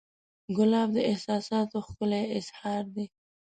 ګلاب د احساساتو ښکلی اظهار دی.